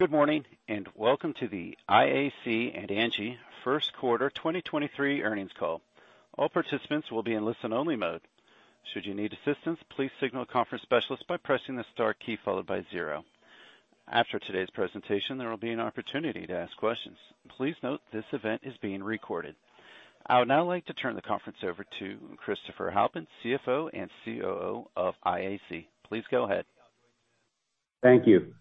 Good morning. Welcome to the IAC and Angi first quarter 2023 Earnings Call. All participants will be in listen-only mode. Should you need assistance, please signal a conference specialist by pressing the star key followed by 0. After today's presentation, there will be an opportunity to ask questions. Please note this event is being recorded. I would now like to turn the conference over to Christopher Halpin, CFO and COO of IAC. Please go ahead. Thank you.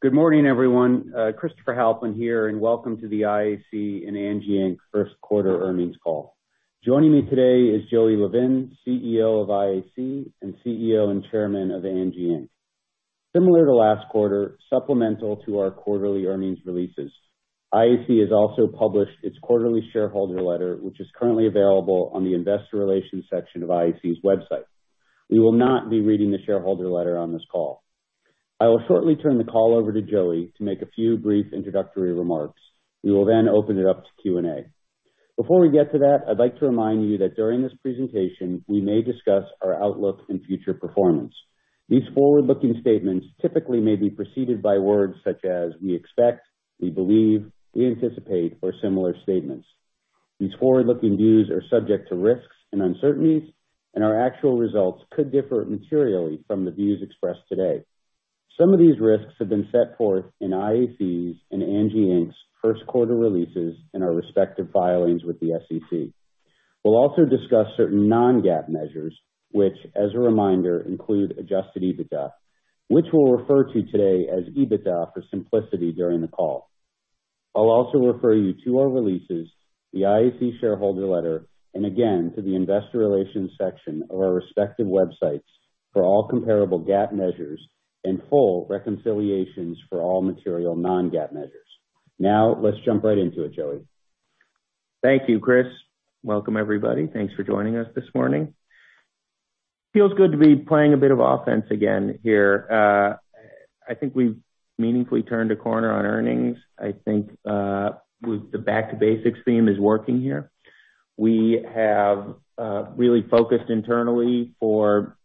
Good morning, everyone. Christopher Halpin here, welcome to the IAC and Angi Inc. first quarter Earnings Call. Joining me today is Joey Levin, CEO of IAC and CEO and Chairman of Angi Inc. Similar to last quarter, supplemental to our quarterly earnings releases, IAC has also published its quarterly shareholder letter, which is currently available on the investor relations section of IAC's website. We will not be reading the shareholder letter on this call. I will shortly turn the call over to Joey to make a few brief introductory remarks. We will open it up to Q&A. Before we get to that, I'd like to remind you that during this presentation, we may discuss our outlook and future performance. These forward-looking statements typically may be preceded by words such as "we expect," "we believe," "we anticipate," or similar statements. These forward-looking views are subject to risks and uncertainties, and our actual results could differ materially from the views expressed today. Some of these risks have been set forth in IAC's and Angi Inc.'s first quarter releases in our respective filings with the SEC. We'll also discuss certain non-GAAP measures, which, as a reminder, include adjusted EBITDA, which we'll refer to today as EBITDA for simplicity during the call. I'll also refer you to our releases, the IAC shareholder letter, and again, to the investor relations section of our respective websites for all comparable GAAP measures and full reconciliations for all material non-GAAP measures. Now, let's jump right into it, Joey. Thank you, Chris. Welcome, everybody. Thanks for joining us this morning. Feels good to be playing a bit of offense again here. I think we've meaningfully turned a corner on earnings. I think, with the back-to-basics theme is working here. We have really focused internally for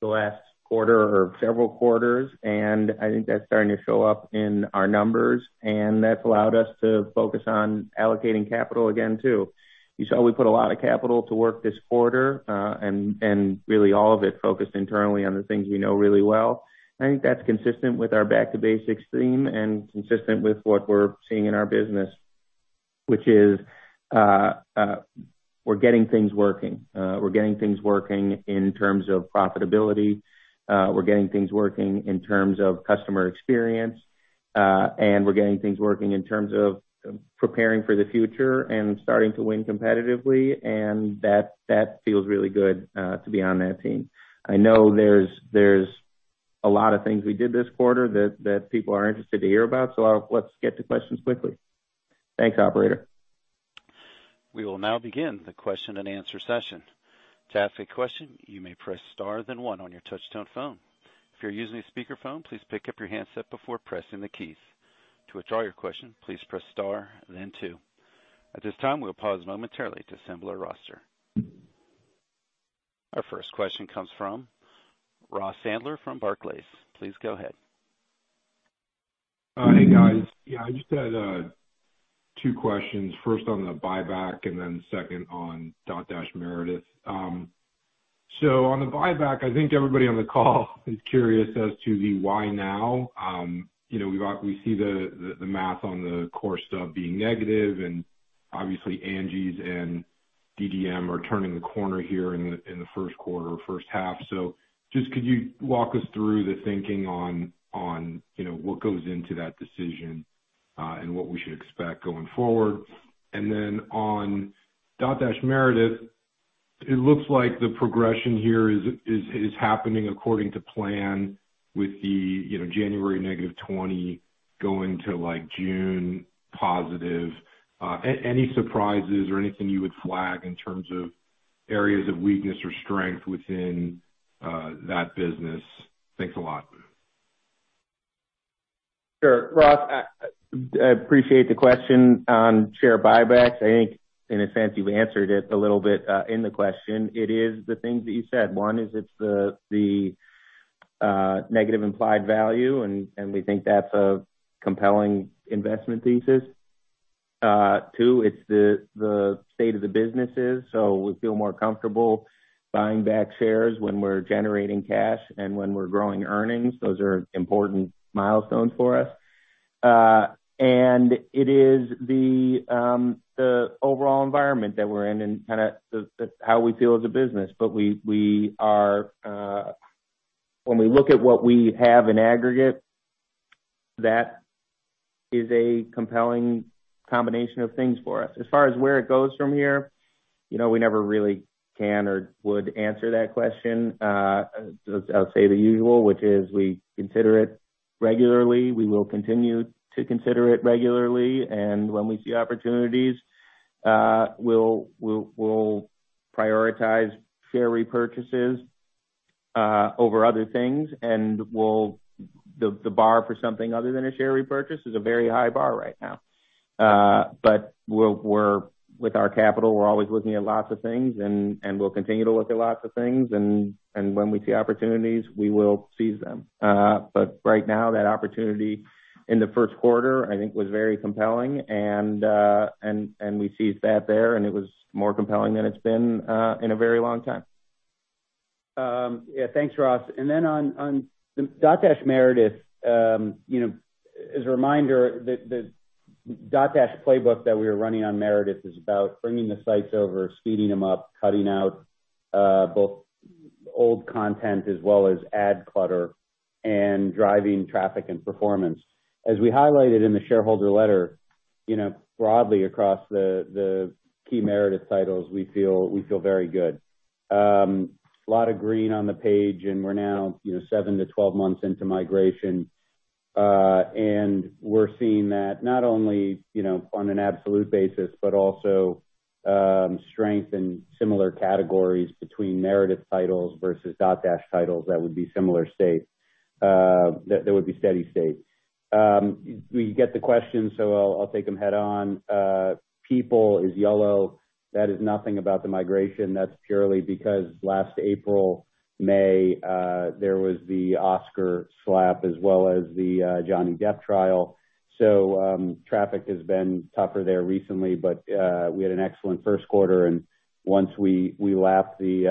the last quarter or several quarters, and I think that's starting to show up in our numbers, and that's allowed us to focus on allocating capital again too. You saw we put a lot of capital to work this quarter, and really all of it focused internally on the things we know really well. I think that's consistent with our back-to-basics theme and consistent with what we're seeing in our business, which is, we're getting things working. We're getting things working in terms of profitability, we're getting things working in terms of customer experience, and we're getting things working in terms of preparing for the future and starting to win competitively. That feels really good to be on that team. I know there's a lot of things we did this quarter that people are interested to hear about, so let's get to questions quickly. Thanks, operator. We will now begin the question and answer session. To ask a question, you may press star, then one on your touchtone phone. If you're using a speakerphone, please pick up your handset before pressing the keys. To withdraw your question, please press star then two. At this time, we'll pause momentarily to assemble our roster. Our first question comes from Ross Sandler from Barclays. Please go ahead. Hey, guys. Yeah, I just had two questions. First on the buyback and then second on Dotdash Meredith. On the buyback, I think everybody on the call is curious as to the why now. You know, we see the, the math on the core stuff being negative and obviously Angi's and DDM are turning the corner here in the, in the first quarter or first half. Just could you walk us through the thinking on, you know, what goes into that decision and what we should expect going forward? And then on Dotdash Meredith, it looks like the progression here is happening according to plan with the, you know, January -20% going to, like, June positive. Any surprises or anything you would flag in terms of areas of weakness or strength within that business? Thanks a lot. Sure. Ross, I appreciate the question on share buybacks. I think in a sense you've answered it a little bit in the question. It is the things that you said. One is it's the negative implied value and we think that's a compelling investment thesis. Two, it's the state of the businesses. We feel more comfortable buying back shares when we're generating cash and when we're growing earnings. Those are important milestones for us. And it is the overall environment that we're in and kinda how we feel as a business. We are. When we look at what we have in aggregate, that is a compelling combination of things for us. As far as where it goes from here, you know, we never really can or would answer that question. I'll say the usual, which is we consider it regularly. We will continue to consider it regularly. When we see opportunities, we'll prioritize share repurchases over other things. The bar for something other than a share repurchase is a very high bar right now. With our capital, we're always looking at lots of things and we'll continue to look at lots of things and when we see opportunities, we will seize them. Right now, that opportunity in the first quarter, I think was very compelling and we seized that there, and it was more compelling than it's been in a very long time. Yeah, thanks, Ross. On the Dotdash Meredith, you know, as a reminder that the Dotdash playbook that we are running on Meredith is about bringing the sites over, speeding them up, cutting out both old content as well as ad clutter and driving traffic and performance. As we highlighted in the shareholder letter, you know, broadly across the key Meredith titles, we feel very good. A lot of green on the page, and we're now, you know, 7-12 months into migration, and we're seeing that not only, you know, on an absolute basis, but also strength in similar categories between Meredith titles versus Dotdash titles that would be similar state, that would be steady state. We get the question, so I'll take them head on. PEOPLE is yellow. That is nothing about the migration. That's purely because last April, May, there was the Oscar slap as well as the Johnny Depp trial. Traffic has been tougher there recently, but we had an excellent first quarter, and once we lap the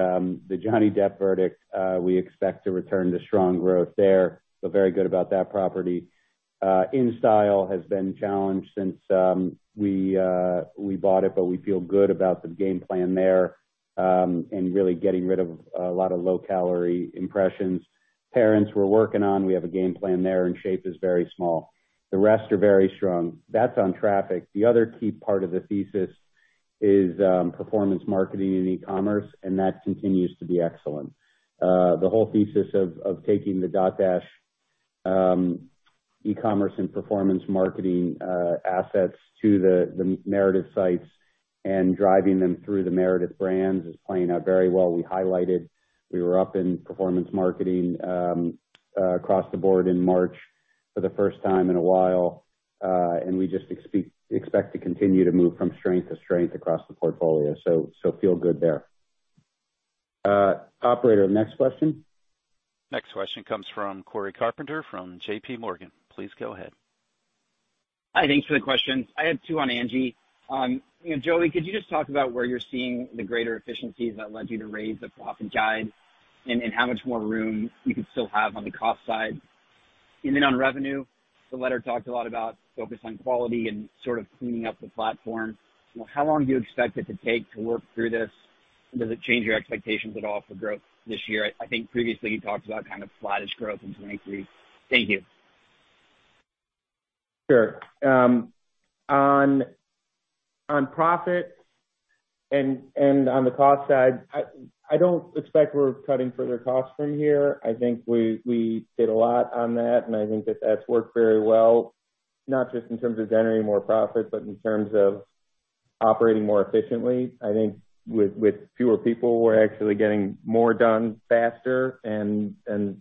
Johnny Depp verdict, we expect to return to strong growth there. Very good about that property. InStyle has been challenged since we bought it, but we feel good about the game plan there and really getting rid of a lot of low-calorie impressions. PARENTS, we're working on. We have a game plan there. SHAPE is very small. The rest are very strong. That's on traffic. The other key part of the thesis is performance marketing and e-commerce, and that continues to be excellent. The whole thesis of taking the Dotdash, e-commerce and performance marketing, assets to the Meredith sites and driving them through the Meredith brands is playing out very well. We highlighted we were up in performance marketing, across the board in March for the first time in a while, and we just expect to continue to move from strength to strength across the portfolio. Feel good there. Operator, next question. Next question comes from Cory Carpenter from JPMorgan. Please go ahead. Hi. Thanks for the question. I had two on Angi. You know, Joey, could you just talk about where you're seeing the greater efficiencies that led you to raise the profit guide and how much more room you could still have on the cost side? Then on revenue, the letter talked a lot about focus on quality and sort of cleaning up the platform. You know, how long do you expect it to take to work through this? Does it change your expectations at all for growth this year? I think previously you talked about kind of flattish growth in 23. Thank you. Sure. On profit and on the cost side, I don't expect we're cutting further costs from here. I think we did a lot on that, and I think that's worked very well, not just in terms of generating more profit, but in terms of operating more efficiently. I think with fewer people, we're actually getting more done faster, and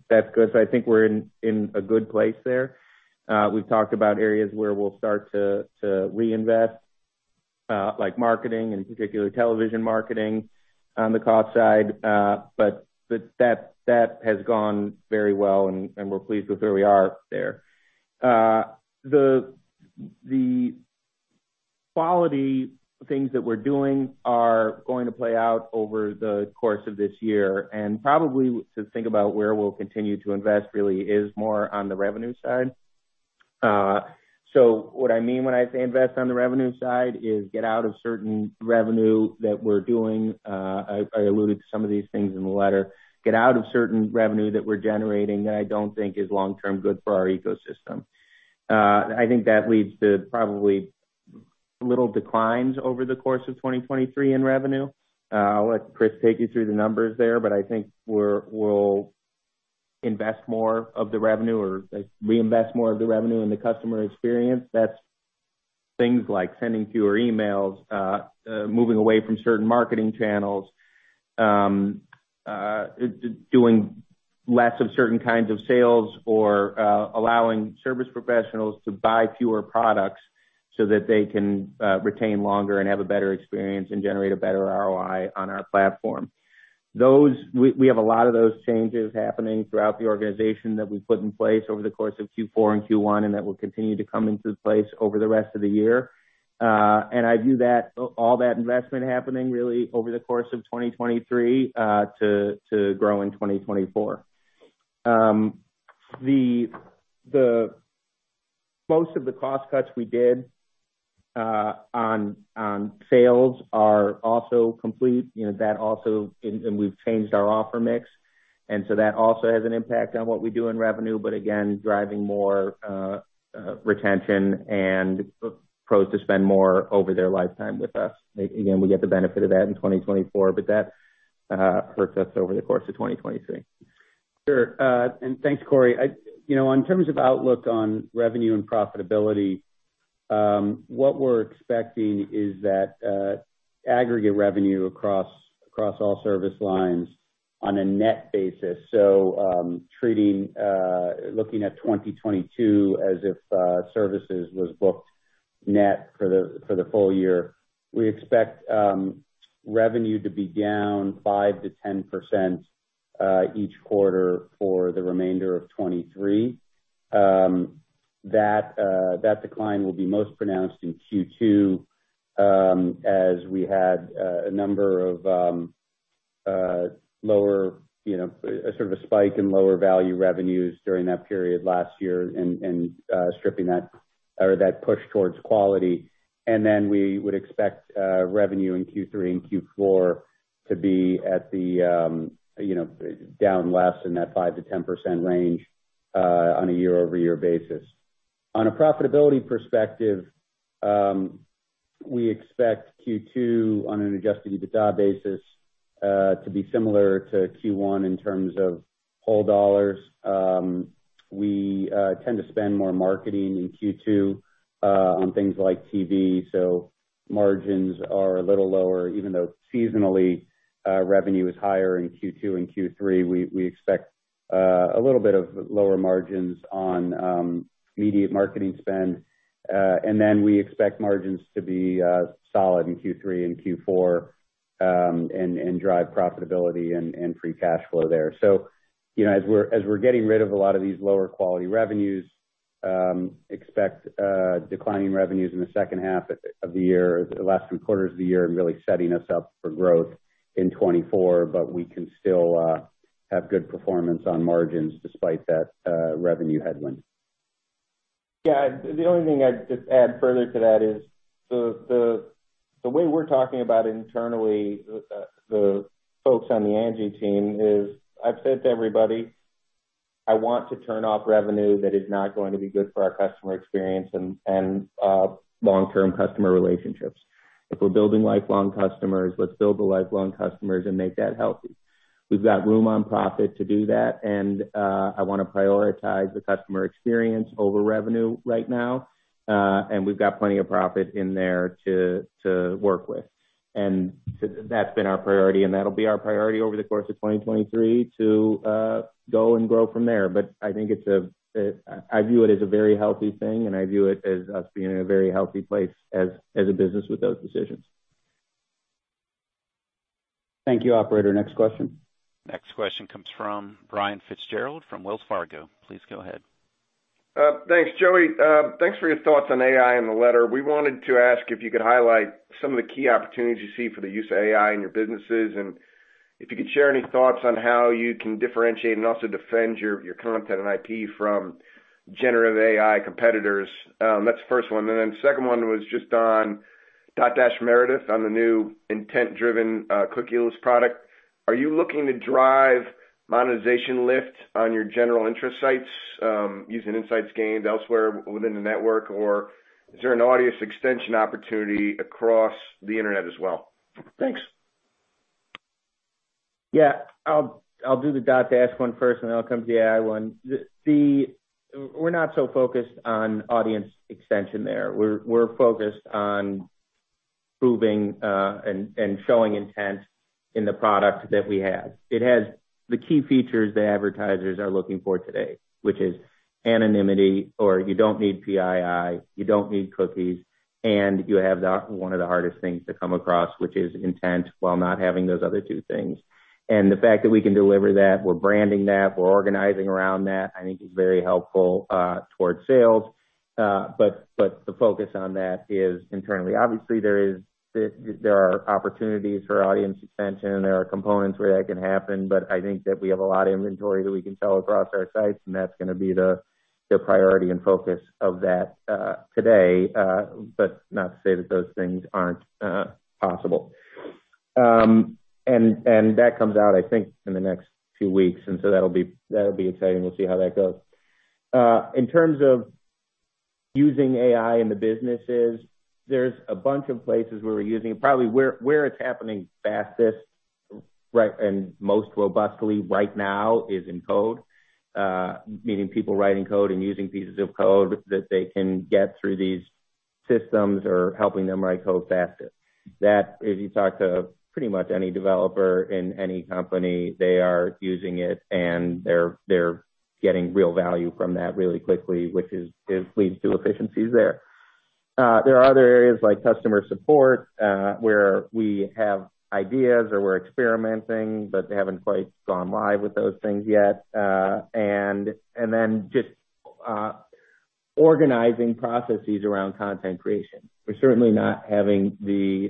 that's good. I think we're in a good place there. We've talked about areas where we'll start to reinvest, like marketing, in particular, television marketing on the cost side. That has gone very well, and we're pleased with where we are there. The quality things that we're doing are going to play out over the course of this year and probably to think about where we'll continue to invest really is more on the revenue side. What I mean when I say invest on the revenue side is get out of certain revenue that we're doing. I alluded to some of these things in the letter. Get out of certain revenue that we're generating that I don't think is long-term good for our ecosystem. I think that leads to probably little declines over the course of 2023 in revenue. I'll let Chris take you through the numbers there, but I think we'll invest more of the revenue or reinvest more of the revenue in the customer experience. That's things like sending fewer emails, moving away from certain marketing channels, doing less of certain kinds of sales or allowing service professionals to buy fewer products so that they can retain longer and have a better experience and generate a better ROI on our platform. Those We have a lot of those changes happening throughout the organization that we put in place over the course of Q4 and Q1, and that will continue to come into place over the rest of the year. I view that, all that investment happening really over the course of 2023, to grow in 2024. The Most of the cost cuts we did on sales are also complete. You know, that also... We've changed our offer mix, and so that also has an impact on what we do in revenue, but again, driving more retention and pros to spend more over their lifetime with us. Again, we get the benefit of that in 2024, but that hurts us over the course of 2023. Sure. Thanks, Cory. You know, in terms of outlook on revenue and profitability, what we're expecting is that aggregate revenue across all service lines On a net basis, treating looking at 2022 as if services was booked net for the full year. We expect revenue to be down 5%-10% each quarter for the remainder of 2023. That decline will be most pronounced in Q2 as we had a number of lower, you know, a sort of a spike in lower value revenues during that period last year and stripping that or that push towards quality. We would expect revenue in Q3 and Q4 to be at the, you know, down less in that 5%-10% range on a year-over-year basis. On a profitability perspective, we expect Q2 on an adjusted EBITDA basis to be similar to Q1 in terms of whole dollars. We tend to spend more marketing in Q2 on things like TV, margins are a little lower. Even though seasonally, revenue is higher in Q2 and Q3, we expect a little bit of lower margins on media marketing spend. We expect margins to be solid in Q3 and Q4 and drive profitability and free cash flow there. You know, as we're getting rid of a lot of these lower quality revenues, expect declining revenues in the second half of the year, the last three quarters of the year, and really setting us up for growth in 2024. We can still have good performance on margins despite that revenue headwind. Yeah, the only thing I'd just add further to that is the way we're talking about internally, the folks on the Angi team is I've said to everybody, I want to turn off revenue that is not going to be good for our customer experience and long-term customer relationships. If we're building lifelong customers, let's build the lifelong customers and make that healthy. We've got room on profit to do that and I wanna prioritize the customer experience over revenue right now. We've got plenty of profit in there to work with. That's been our priority, and that'll be our priority over the course of 2023 to go and grow from there. I think I view it as a very healthy thing, and I view it as us being in a very healthy place as a business with those decisions. Thank you, operator. Next question. Next question comes from Brian Fitzgerald from Wells Fargo. Please go ahead. Thanks, Joey. Thanks for your thoughts on AI in the letter. We wanted to ask if you could highlight some of the key opportunities you see for the use of AI in your businesses, and if you could share any thoughts on how you can differentiate and also defend your content and IP from generative AI competitors. That's the first one. Then the second one was just on Dotdash Meredith on the new intent-driven, cookieless product. Are you looking to drive monetization lift on your general interest sites, using insights gained elsewhere within the network? Or is there an audience extension opportunity across the internet as well? Thanks. Yeah. I'll do the Dotdash one first, and then I'll come to the AI one. We're not so focused on audience extension there. We're focused on proving and showing intent in the product that we have. It has the key features that advertisers are looking for today, which is anonymity or you don't need PII, you don't need cookies, and you have one of the hardest things to come across, which is intent while not having those other two things. The fact that we can deliver that, we're branding that, we're organizing around that, I think is very helpful towards sales. The focus on that is internally. Obviously, there are opportunities for audience extension. There are components where that can happen, but I think that we have a lot of inventory that we can sell across our sites, and that's gonna be the priority and focus of that today. Not to say that those things aren't possible. And that comes out, I think, in the next few weeks, and so that'll be, that'll be exciting. We'll see how that goes. In terms of using AI in the businesses, there's a bunch of places where we're using... Probably where it's happening fastest and most robustly right now is in code, meaning people writing code and using pieces of code that they can get through these systems or helping them write code faster. That if you talk to pretty much any developer in any company, they are using it, and they're getting real value from that really quickly, which leads to efficiencies there. There are other areas like customer support, where we have ideas or we're experimenting, but they haven't quite gone live with those things yet. Then just organizing processes around content creation. We're certainly not having the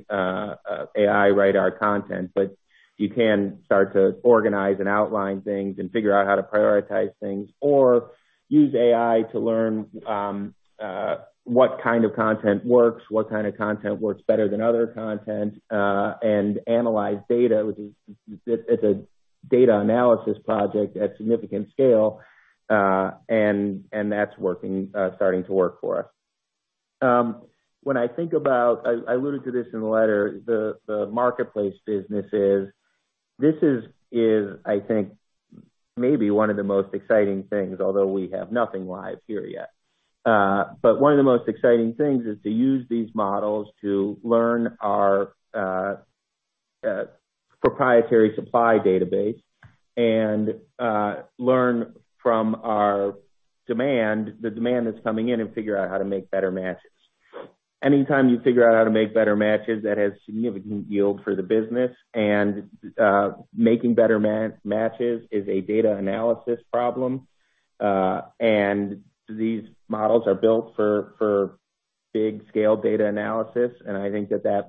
AI write our content, but you can start to organize and outline things and figure out how to prioritize things or use AI to learn, what kind of content works, what kind of content works better than other content, and analyze data as a data analysis project at significant scale. That's working, starting to work for us. When I think about... I alluded to this in the letter, the marketplace businesses. This is I think maybe one of the most exciting things, although we have nothing live here yet. One of the most exciting things is to use these models to learn our proprietary supply database and learn from our demand, the demand that's coming in, and figure out how to make better matches. Anytime you figure out how to make better matches, that has significant yield for the business. Making better matches is a data analysis problem. These models are built for big scale data analysis, and I think that that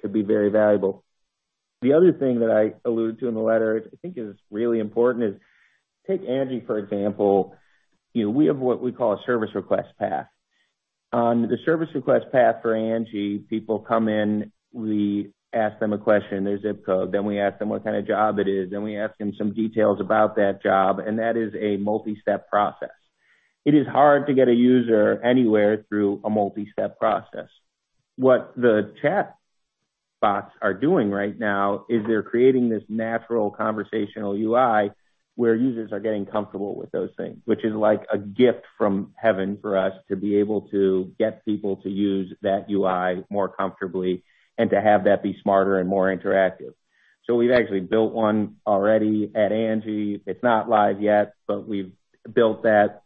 could be very valuable. The other thing that I alluded to in the letter I think is really important is take Angi, for example. You know, we have what we call a service request path. On the service request path for Angi, people come in, we ask them a question, their zip code, then we ask them what kind of job it is, then we ask them some details about that job. That is a multi-step process. It is hard to get a user anywhere through a multi-step process. What the chatbots are doing right now is they're creating this natural conversational UI where users are getting comfortable with those things, which is like a gift from heaven for us to be able to get people to use that UI more comfortably and to have that be smarter and more interactive. We've actually built one already at Angi. It's not live yet, but we've built that.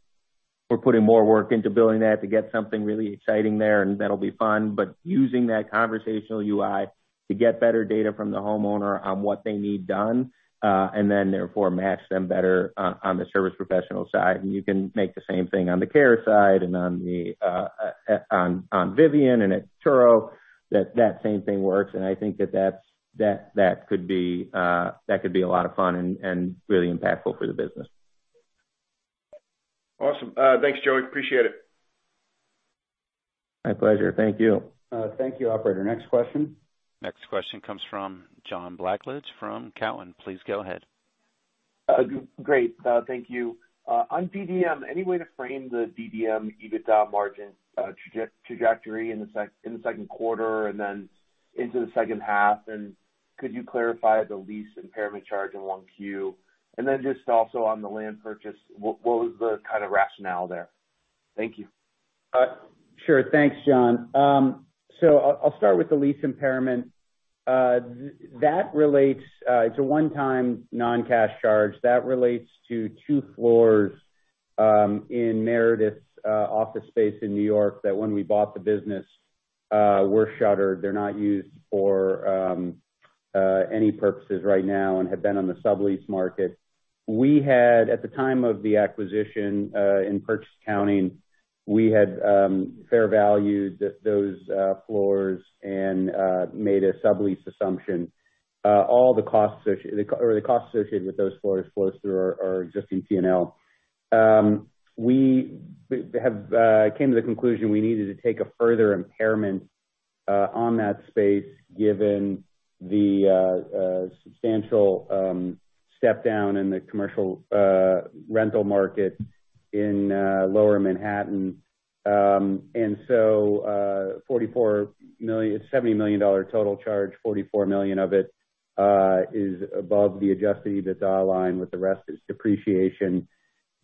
We're putting more work into building that to get something really exciting there, and that'll be fun, but using that conversational UI to get better data from the homeowner on what they need done, and then therefore match them better on the service professional side. You can make the same thing on the Care side and on Vivian and at Turo, that same thing works. I think that's that could be a lot of fun and really impactful for the business. Awesome. Thanks, Joey. Appreciate it. My pleasure. Thank you. Thank you, operator. Next question. Next question comes from John Blackledge from Cowen. Please go ahead. Great. Thank you. On DDM, any way to frame the DDM EBITDA margin trajectory in the second quarter and then into the second half, and could you clarify the lease impairment charge in 1Q? Just also on the land purchase, what was the kind of rationale there? Thank you. Sure. Thanks, John. I'll start with the lease impairment. It's a one-time non-cash charge that relates to two floors, in Meredith's office space in New York that when we bought the business were shuttered. They're not used for any purposes right now and have been on the sublease market. We had, at the time of the acquisition, in purchase accounting, we had fair valued those floors and made a sublease assumption. Or the costs associated with those floors flows through our existing P&L. We have came to the conclusion we needed to take a further impairment on that space given the substantial step down in the commercial rental market in lower Manhattan. $44 million... dollar total charge, $44 million of it is above the adjusted EBITDA line with the rest is depreciation.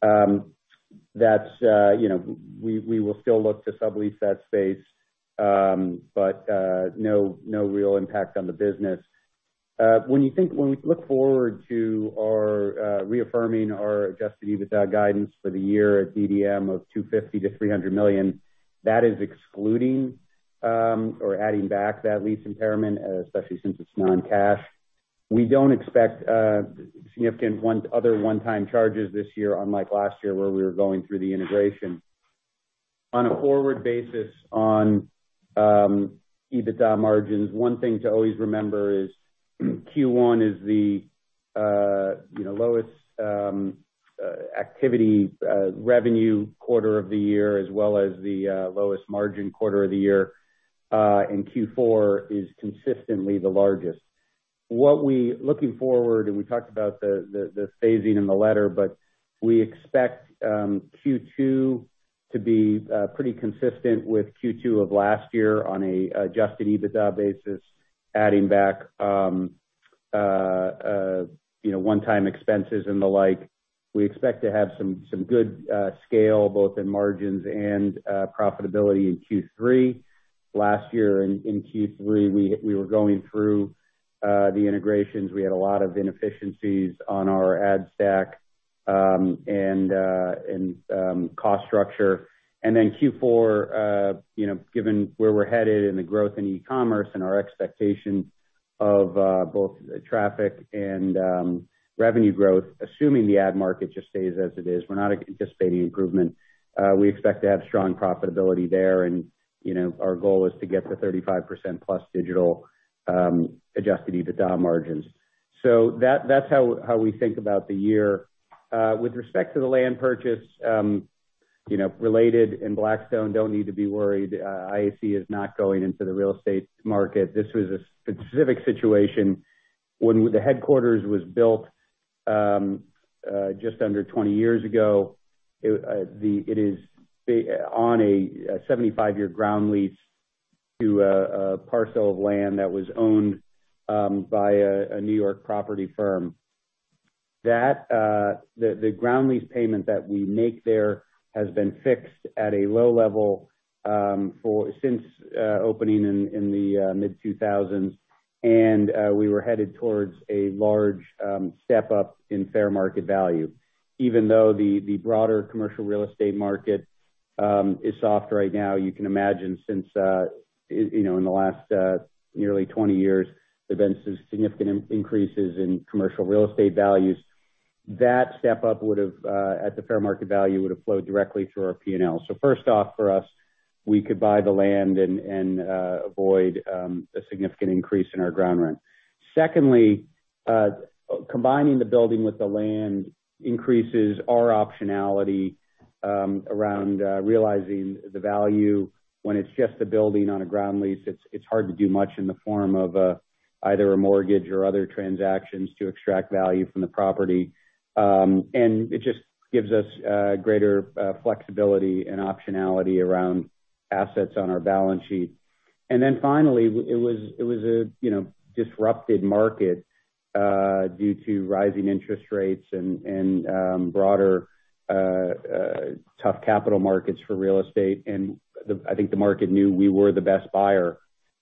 That's, you know, we will still look to sublease that space, but no real impact on the business. When we look forward to our reaffirming our adjusted EBITDA guidance for the year at DDM of $250 million-$300 million, that is excluding or adding back that lease impairment, especially since it's non-cash. We don't expect significant other one-time charges this year, unlike last year where we were going through the integration. On a forward basis on EBITDA margins, one thing to always remember is Q1 is the, you know, lowest activity revenue quarter of the year as well as the lowest margin quarter of the year. Q4 is consistently the largest. Looking forward, and we talked about the phasing in the letter, but we expect Q2 to be pretty consistent with Q2 of last year on a adjusted EBITDA basis, adding back, you know, one-time expenses and the like. We expect to have some good scale both in margins and profitability in Q3. Last year in Q3 we were going through the integrations. We had a lot of inefficiencies on our ad stack and cost structure. Then Q4, you know, given where we're headed and the growth in e-commerce and our expectations of both traffic and revenue growth, assuming the ad market just stays as it is, we're not anticipating improvement. We expect to have strong profitability there and, you know, our goal is to get to 35%+ digital, adjusted EBITDA margins. That's how we think about the year. With respect to the land purchase, you know, Related and Blackstone don't need to be worried. IAC is not going into the real estate market. This was a specific situation. When the headquarters was built, just under 20 years ago, it is on a 75-year ground lease. To a parcel of land that was owned by a New York property firm. The ground lease payment that we make there has been fixed at a low level since opening in the mid-2000. We were headed towards a large step-up in fair market value. Even though the broader commercial real estate market is soft right now, you can imagine since, you know, in the last nearly 20 years, there've been some significant increases in commercial real estate values. That step-up would have at the fair market value, would have flowed directly through our P&L. First off, for us, we could buy the land and avoid a significant increase in our ground rent. Secondly, combining the building with the land increases our optionality around realizing the value. When it's just a building on a ground lease, it's hard to do much in the form of either a mortgage or other transactions to extract value from the property. It just gives us greater flexibility and optionality around assets on our balance sheet. Then finally, it was a, you know, disrupted market due to rising interest rates and broader tough capital markets for real estate. I think the market knew we were the best buyer,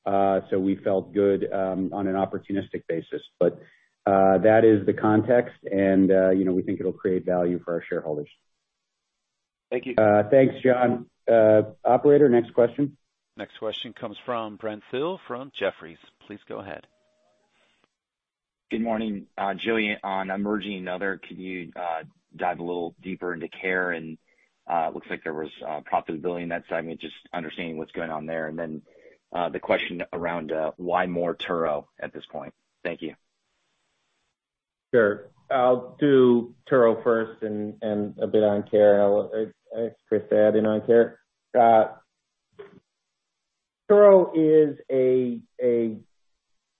so we felt good on an opportunistic basis. That is the context and, you know, we think it'll create value for our shareholders. Thank you. Thanks, John. Operator, next question. Next question comes from Brent Thill from Jefferies. Please go ahead. Good morning. Joey, on Emerging and Other, can you dive a little deeper into Care.com? It looks like there was profitability in that segment, just understanding what's going on there. The question around why more Turo at this point? Thank you. Sure. I'll do Turo first and a bit on Care.com. I'll ask Chris to add in on Care.com. Turo is a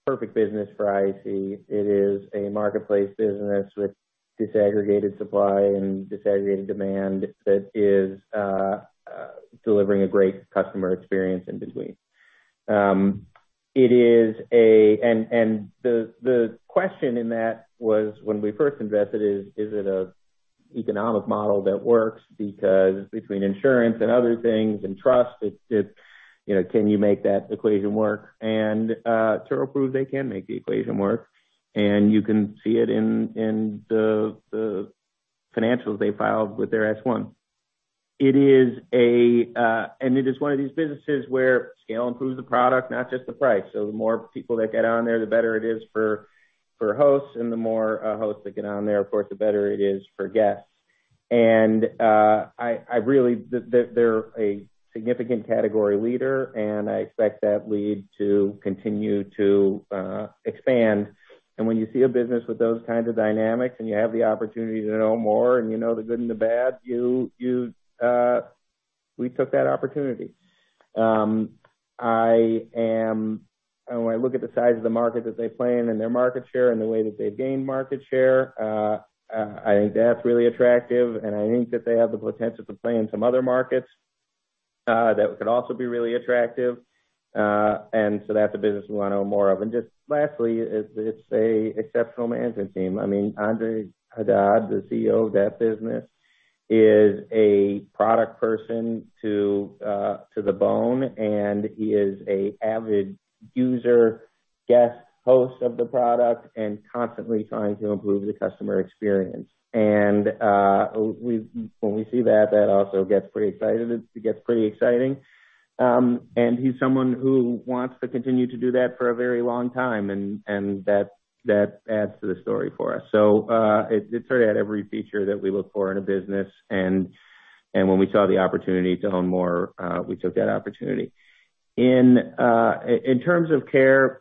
perfect business for IAC. It is a marketplace business with disaggregated supply and disaggregated demand that is delivering a great customer experience in between. The question in that was when we first invested is it a economic model that works? Between insurance and other things and trust, it's, you know, can you make that equation work? Turo proved they can make the equation work, and you can see it in the financials they filed with their S-1. It is one of these businesses where scale improves the product, not just the price. The more people that get on there, the better it is for hosts. The more hosts that get on there, of course, the better it is for guests. They're a significant category leader, and I expect that lead to continue to expand. When you see a business with those kinds of dynamics, and you have the opportunity to own more, and you know the good and the bad, we took that opportunity. When I look at the size of the market that they play in and their market share and the way that they've gained market share, I think that's really attractive, and I think that they have the potential to play in some other markets that could also be really attractive. That's a business we wanna own more of. Just lastly, it's a exceptional management team. I mean, Andre Haddad, the CEO of that business, is a product person to the bone. He is a avid user, guest, host of the product and constantly trying to improve the customer experience. When we see that also gets pretty excited. It gets pretty exciting. He's someone who wants to continue to do that for a very long time, and that adds to the story for us. It sort of had every feature that we look for in a business, and when we saw the opportunity to own more, we took that opportunity. In terms of Care.com,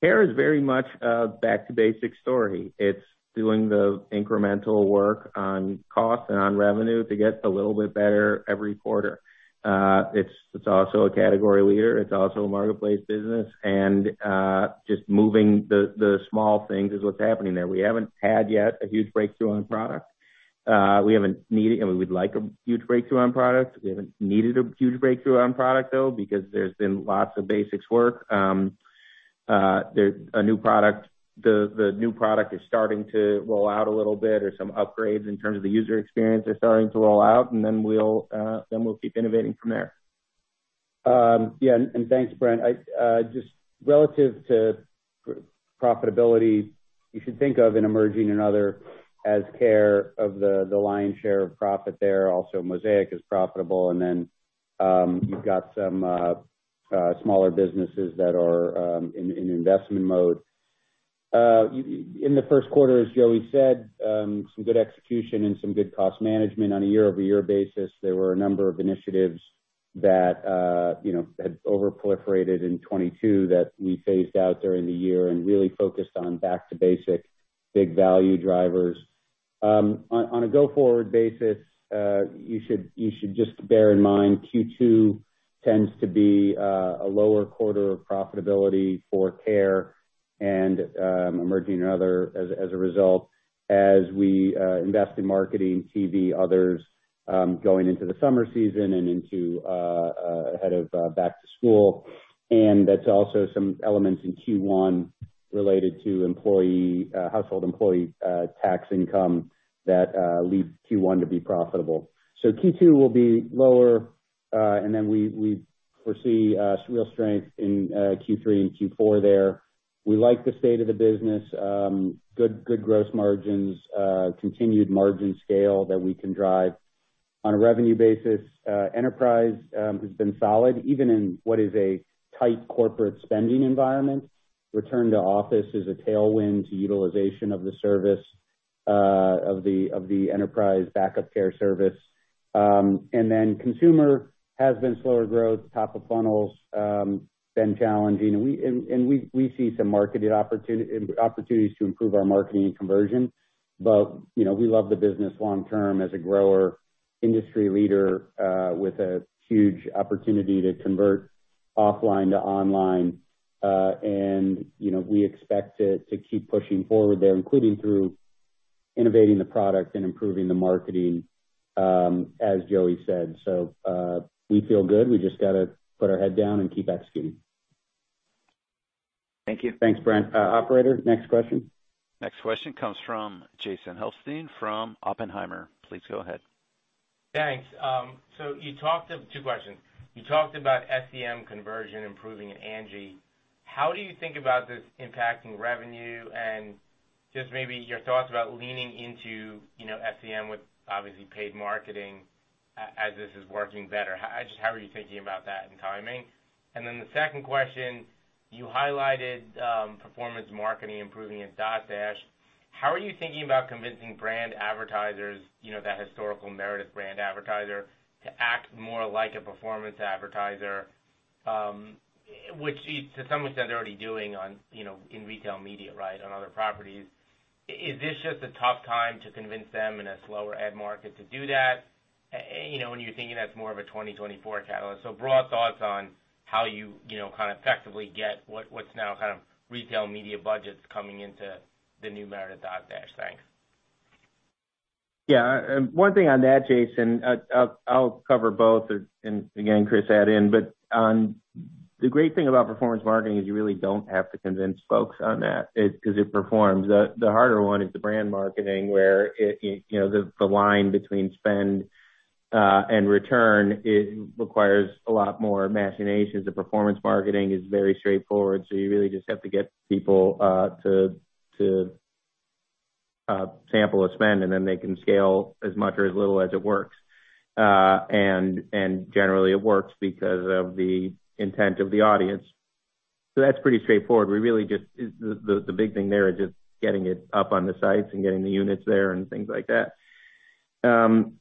Care.com is very much a back to basics story. It's doing the incremental work on cost and on revenue to get a little bit better every quarter. It's also a category leader. It's also a marketplace business. Just moving the small things is what's happening there. We haven't had yet a huge breakthrough on product. We haven't needed... I mean, we'd like a huge breakthrough on product. We haven't needed a huge breakthrough on product, though, because there's been lots of basics work. There's a new product. The new product is starting to roll out a little bit. There's some upgrades in terms of the user experience are starting to roll out, and then we'll keep innovating from there. Thanks, Brent. Just relative to profitability, you should think of in Emerging and Other as Care of the lion's share of profit there. Also, Mosaic is profitable. You've got some smaller businesses that are in investment mode. In the first quarter, as Joey said, some good execution and some good cost management on a year-over-year basis. There were a number of initiatives that, you know, had over-proliferated in 2022 that we Phased out during the year and really focused on back to basic big value drivers. On a go-forward basis, you should just bear in mind Q2 tends to be a lower quarter of profitability for Care. Emerging and Other as a result as we invest in marketing, TV, others, going into the summer season and into ahead of back to school. That's also some elements in Q1 related to employee, household employee, tax income that lead Q1 to be profitable. Q2 will be lower, and then we foresee real strength in Q3 and Q4 there. We like the state of the business, good gross margins, continued margin scale that we can drive. On a revenue basis, enterprise has been solid, even in what is a tight corporate spending environment. Return to office is a tailwind to utilization of the service, of the enterprise backup care service. Consumer has been slower growth. Top of funnels been challenging. We see some marketed opportunities to improve our marketing and conversion. You know, we love the business long term as a grower, industry leader, with a huge opportunity to convert offline to online. You know, we expect it to keep pushing forward there, including through innovating the product and improving the marketing, as Joey said. We feel good. We just gotta put our head down and keep executing. Thank you. Thanks, Brent. Operator, next question. Next question comes from Jason Helfstein from Oppenheimer. Please go ahead. Thanks. Two questions. You talked about SEM conversion improving in ANGI. How do you think about this impacting revenue? Just maybe your thoughts about leaning into, you know, SEM with obviously paid marketing as this is working better. How just how are you thinking about that and timing? The second question, you highlighted, performance marketing improving at Dotdash. How are you thinking about convincing brand advertisers, you know, that historical Meredith brand advertiser, to act more like a performance advertiser, which to some extent they're already doing on, you know, in retail media, right, on other properties. Is this just a tough time to convince them in a slower ad market to do that? You know, when you're thinking that's more of a 2024 catalyst. Broad thoughts on how you know, kind of effectively get what's now kind of retail media budgets coming into the new Dotdash Meredith. Thanks. Yeah. One thing on that, Jason, I'll cover both, and again, Chris, add in. The great thing about performance marketing is you really don't have to convince folks on that 'cause it performs. The harder one is the brand marketing, where it, you know, the line between spend and return, it requires a lot more machinations. The performance marketing is very straightforward, you really just have to get people to sample a spend, and then they can scale as much or as little as it works. And generally it works because of the intent of the audience. That's pretty straightforward. We really just. The big thing there is just getting it up on the sites and getting the units there and things like that. On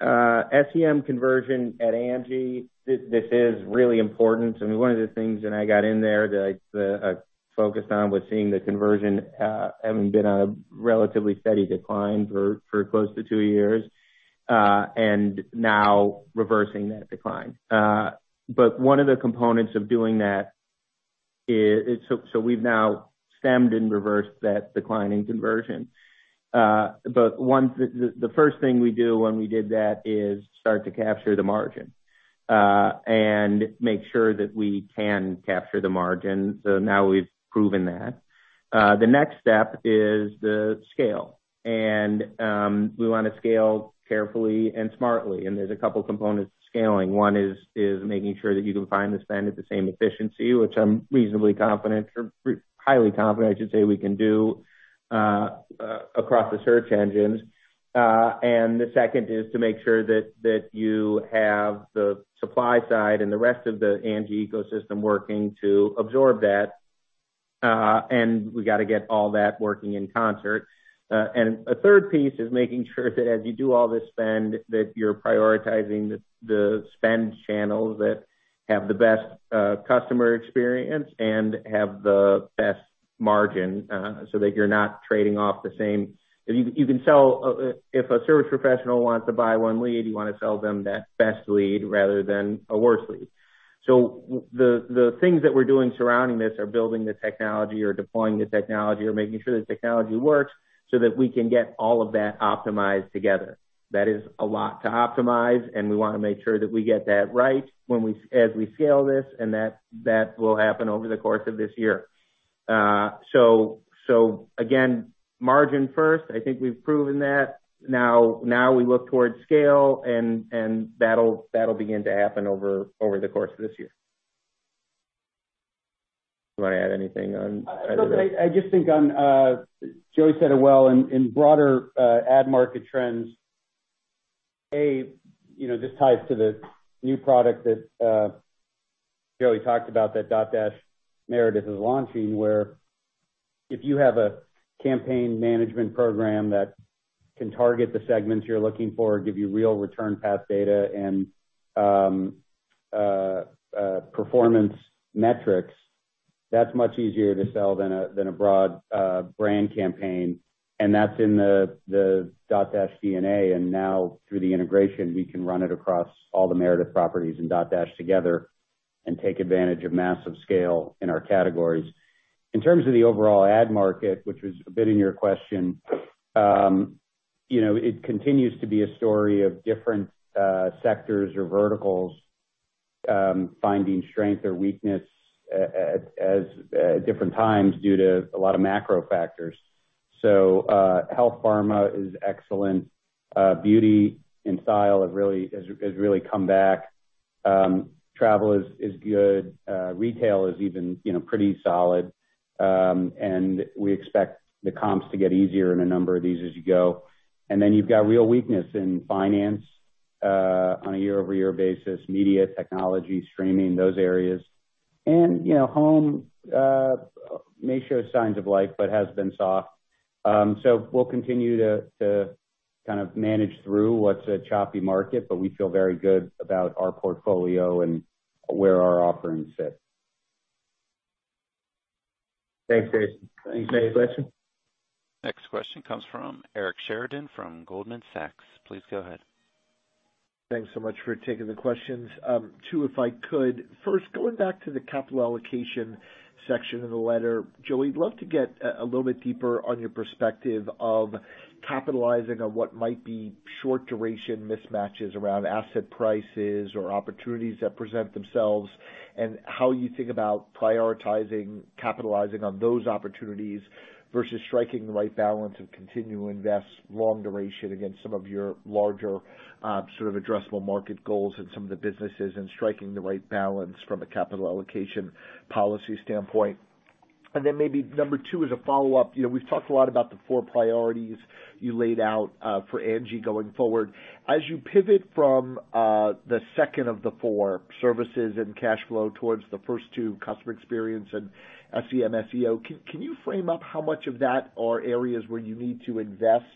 SEM conversion at Angi, this is really important. One of the things when I got in there that I focused on was seeing the conversion having been on a relatively steady decline for close to two years, now reversing that decline. One of the components of doing that is. We've now stemmed and reversed that decline in conversion. The first thing we do when we did that is start to capture the margin and make sure that we can capture the margin. Now we've proven that. The next step is the scale. We wanna scale carefully and smartly, there's a two components to scaling. One is making sure that you can find the spend at the same efficiency, which I'm reasonably confident or highly confident, I should say, we can do across the search engines. The second is to make sure that you have the supply side and the rest of the Angi ecosystem working to absorb that, and we gotta get all that working in concert. A third piece is making sure that as you do all this spend, that you're prioritizing the spend channels that have the best customer experience and have the best margin, so that you're not trading off the same. You can sell if a service professional wants to buy one lead, you wanna sell them that best lead rather than a worse lead. The things that we're doing surrounding this are building the technology or deploying the technology or making sure the technology works so that we can get all of that optimized together. That is a lot to optimize, and we wanna make sure that we get that right as we scale this, and that will happen over the course of this year. Again, margin first. I think we've proven that. Now we look towards scale and that'll begin to happen over the course of this year. You wanna add anything on either of those? Look, I just think on, Joey said it well. In broader ad market trends, you know, this ties to the new product that Joey talked about that Dotdash Meredith is launching, where if you have a campaign management program that can target the segments you're looking for, give you real return path data and performance metrics, that's much easier to sell than a broad brand campaign. That's in the Dotdash DNA, and now through the integration, we can run it across all the Meredith properties and Dotdash together and take advantage of massive scale in our categories. In terms of the overall ad market, which was a bit in your question. You know, it continues to be a story of different sectors or verticals finding strength or weakness as different times due to a lot of macro factors. Health pharma is excellent. Beauty and style has really come back. Travel is good. Retail is even, you know, pretty solid. We expect the comps to get easier in a number of these as you go. You've got real weakness in finance on a year-over-year basis, media, technology, streaming, those areas. You know, home may show signs of life, but has been soft. We'll continue to kind of manage through what's a choppy market, but we feel very good about our portfolio and where our offerings sit. Thanks, Chris. Any other question? Next question comes from Eric Sheridan from Goldman Sachs. Please go ahead. Thanks so much for taking the questions. Two, if I could. First, going back to the capital allocation section of the letter. Joey, I'd love to get a little bit deeper on your perspective of capitalizing on what might be short duration mismatches around asset prices or opportunities that present themselves, and how you think about prioritizing capitalizing on those opportunities versus striking the right balance and continue to invest long duration against some of your larger addressable market goals in some of the businesses and striking the right balance from a capital allocation policy standpoint. Maybe number two, as a follow-up. You know, we've talked a lot about the four priorities you laid out for Angi going forward. As you pivot from the second of the four services and cash flow towards the first two, customer experience and SEM, SEO, can you frame up how much of that are areas where you need to invest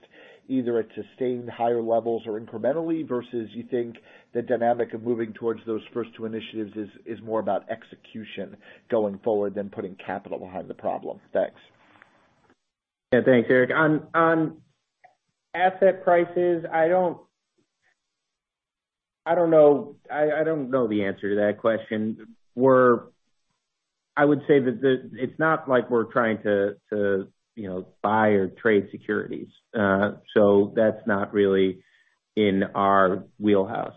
either at sustained higher levels or incrementally versus you think the dynamic of moving towards those first two initiatives is more about execution going forward than putting capital behind the problem? Thanks. Yeah. Thanks, Eric. On asset prices, I don't know the answer to that question. I would say that it's not like we're trying to, you know, buy or trade securities. That's not really in our wheelhouse.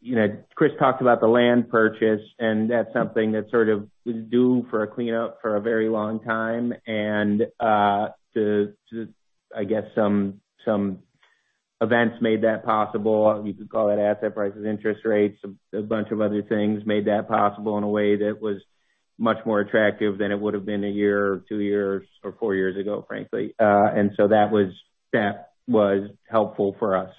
You know, Chris talked about the land purchase, that's something that sort of was due for a cleanup for a very long time. The, I guess, some events made that possible. You could call that asset prices, interest rates, a bunch of other things made that possible in a way that was much more attractive than it would have been one year or two years or four years ago, frankly. That was helpful for us.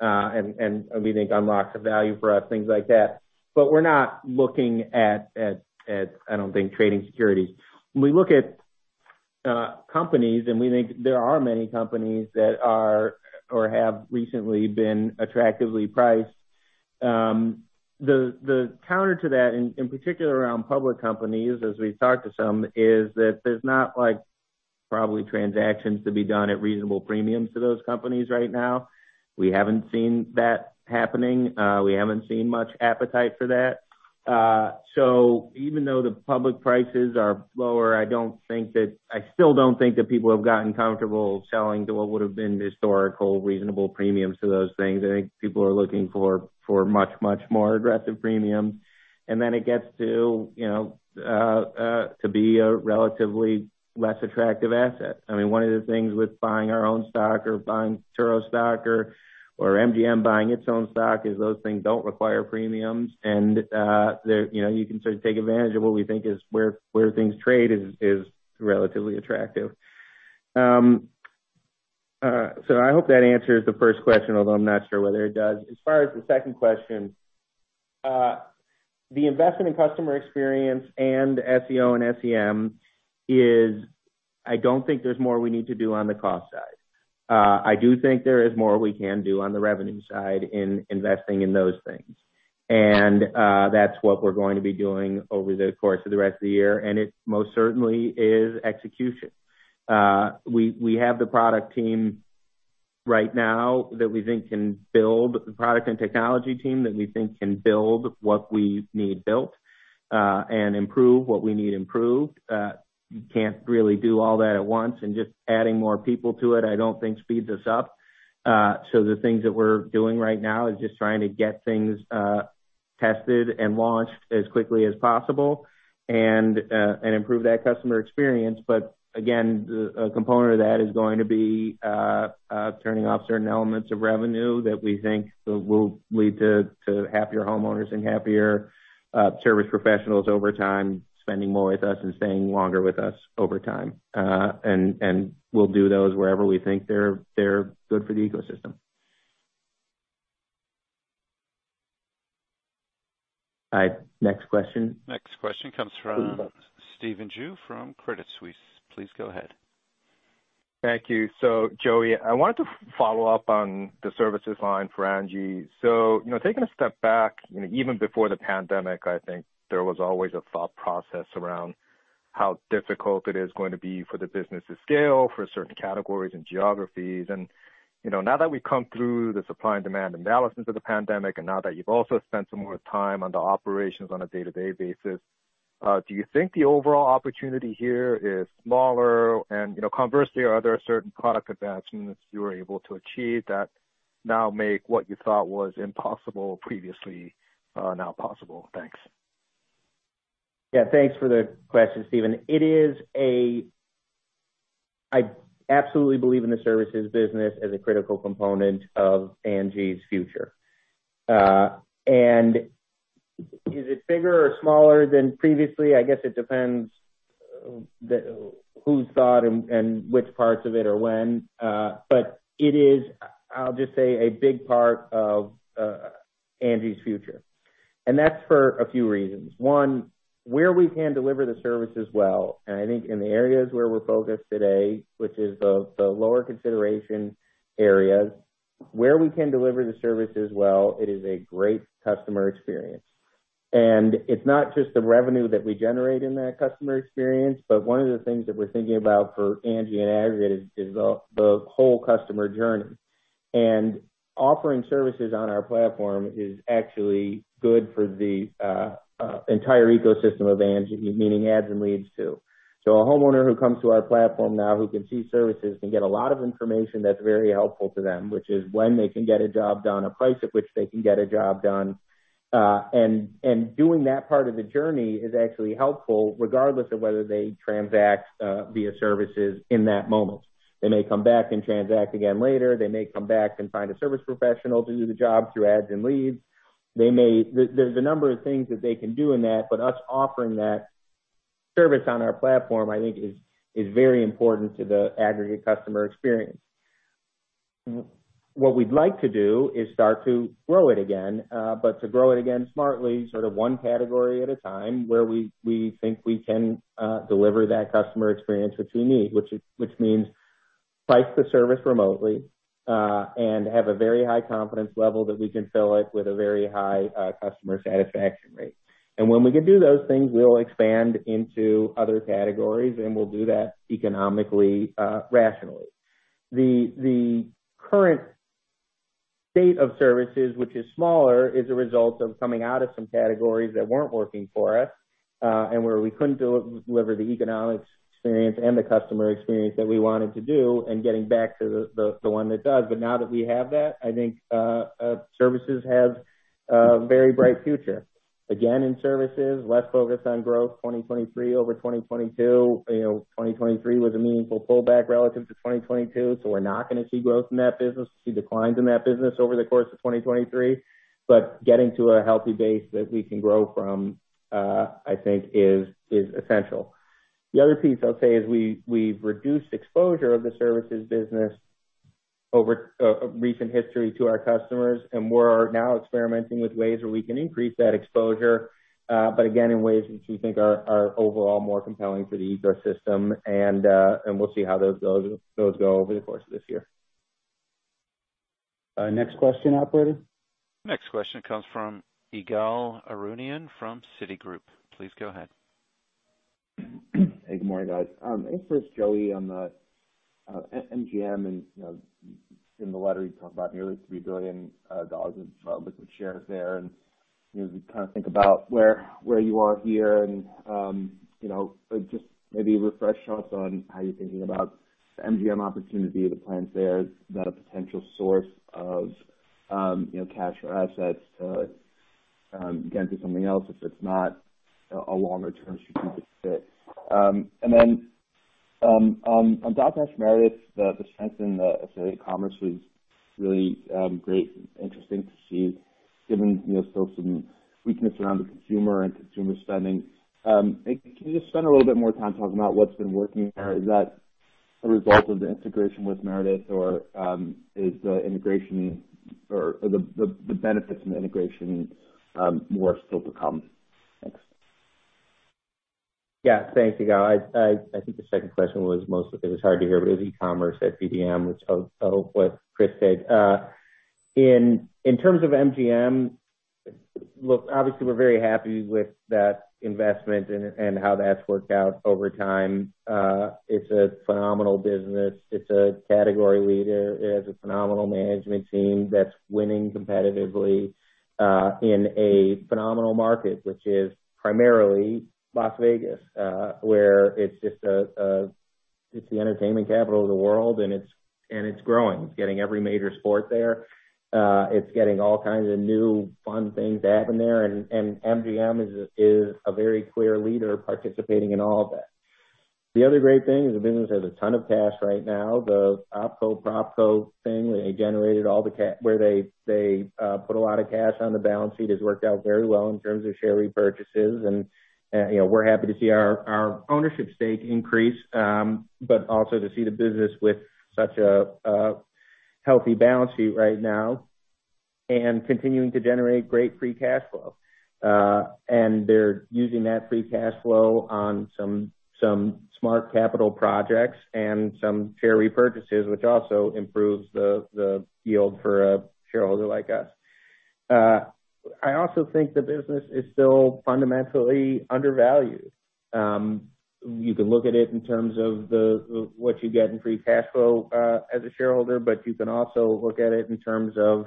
And we think unlocked the value for us, things like that. We're not looking at, I don't think, trading securities. We look at companies, and we think there are many companies that are or have recently been attractively priced. The counter to that, in particular around public companies, as we've talked to some, is that there's not, like, probably transactions to be done at reasonable premiums to those companies right now. We haven't seen that happening. We haven't seen much appetite for that. Even though the public prices are lower, I don't think that. I still don't think that people have gotten comfortable selling to what would have been historical reasonable premiums to those things. I think people are looking for much, much more aggressive premiums. Then it gets to, you know, to be a relatively less attractive asset. I mean, one of the things with buying our own stock or buying Turo stock or MGM buying its own stock is those things don't require premiums and, they're, you know, you can sort of take advantage of what we think is where things trade is relatively attractive. I hope that answers the first question, although I'm not sure whether it does. As far as the second question, the investment in customer experience and SEO and SEM is, I don't think there's more we need to do on the cost side. I do think there is more we can do on the revenue side in investing in those things. That's what we're going to be doing over the course of the rest of the year. It most certainly is execution. We, we have the product team right now that we think can build the product and technology team that we think can build what we need built and improve what we need improved. You can't really do all that at once. Just adding more people to it, I don't think speeds us up. The things that we're doing right now is just trying to get things tested and launched as quickly as possible and improve that customer experience. Again, the, a component of that is going to be turning off certain elements of revenue that we think will lead to happier homeowners and happier service professionals over time, spending more with us and staying longer with us over time. We'll do those wherever we think they're good for the ecosystem. All right. Next question. Next question comes from Stephen Ju from Credit Suisse. Please go ahead. Thank you. Joey, I wanted to follow up on the services line for Angi. You know, taking a step back, you know, even before the pandemic, I think there was always a thought process around how difficult it is going to be for the business to scale for certain categories and geographies. You know, now that we've come through the supply and demand imbalances of the pandemic, and now that you've also spent some more time on the operations on a day-to-day basis. Do you think the overall opportunity here is smaller and, you know, conversely, are there certain product advancements you were able to achieve that now make what you thought was impossible previously, now possible? Thanks. Yeah, thanks for the question, Stephen. It is. I absolutely believe in the services business as a critical component of Angi's future. Is it bigger or smaller than previously? I guess it depends whose thought and which parts of it or when. It is, I'll just say, a big part of Angi's future. That's for a few reasons. One, where we can deliver the services well, and I think in the areas where we're focused today, which is the lower consideration areas, where we can deliver the services well, it is a great customer experience. It's not just the revenue that we generate in that customer experience, but one of the things that we're thinking about for Angi and aggregate is the whole customer journey. Offering services on our platform is actually good for the entire ecosystem of Angi, meaning ads and leads, too. A homeowner who comes to our platform now who can see services can get a lot of information that's very helpful to them, which is when they can get a job done, a price at which they can get a job done. Doing that part of the journey is actually helpful regardless of whether they transact via services in that moment. They may come back and transact again later. They may come back and find a service professional to do the job through ads and leads. They may. There's a number of things that they can do in that, but us offering that service on our platform, I think, is very important to the aggregate customer experience. What we'd like to do is start to grow it again, but to grow it again smartly, sort of one category at a time where we think we can deliver that customer experience that you need, which is, which means price the service remotely, and have a very high confidence level that we can fill it with a very high customer satisfaction rate. When we can do those things, we'll expand into other categories, and we'll do that economically, rationally. The current state of services, which is smaller, is a result of coming out of some categories that weren't working for us, and where we couldn't de-deliver the economic experience and the customer experience that we wanted to do and getting back to the one that does. Now that we have that, I think services have a very bright future. Again, in services, less focused on growth, 2023 over 2022. You know, 2023 was a meaningful pullback relative to 2022, so we're not gonna see growth in that business. We see declines in that business over the course of 2023. Getting to a healthy base that we can grow from, I think is essential. The other piece I'll say is we've reduced exposure of the services business over recent history to our customers, and we're now experimenting with ways where we can increase that exposure, but again, in ways which we think are overall more compelling for the ecosystem. We'll see how those go over the course of this year. Next question, operator. Next question comes from Ygal Arounian from Citigroup. Please go ahead. Hey, good morning, guys. I guess Joey, on the MGM and, you know, in the letter you talked about nearly $3 billion of public shares there. You know, we kinda think about where you are here and, you know, just maybe refresh us on how you're thinking about the MGM opportunity, the plans there. Is that a potential source of, you know, cash or assets to get into something else if it's not a longer-term strategic fit? On Dotdash Meredith, the strength in the affiliate commerce was really great and interesting to see given, you know, still some weakness around the consumer and consumer spending. Can you just spend a little bit more time talking about what's been working there? Is that a result of the integration with Meredith or, is the integration or the benefits from the integration, more still to come? Thanks. Thanks, Ygal. I think the second question was mostly... It was hard to hear, but it was e-commerce at DDM, which I hope what Chris said. In terms of MGM, look, obviously we're very happy with that investment and how that's worked out over time. It's a phenomenal business. It's a category leader. It has a phenomenal management team that's winning competitively in a phenomenal market, which is primarily Las Vegas, where it's just the entertainment capital of the world, and it's growing. It's getting every major sport there. It's getting all kinds of new fun things to happen there. MGM is a very clear leader participating in all of that. The other great thing is the business has a ton of cash right now. The OpCo, PropCo thing, where they put a lot of cash on the balance sheet, has worked out very well in terms of share repurchases. You know, we're happy to see our ownership stake increase, but also to see the business with such a healthy balance sheet right now and continuing to generate great free cash flow. They're using that free cash flow on some smart capital projects and some share repurchases, which also improves the yield for a shareholder like us. I also think the business is still fundamentally undervalued. You can look at it in terms of what you get in free cash flow as a shareholder, but you can also look at it in terms of